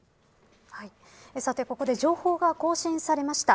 さてここで情報が更新されました。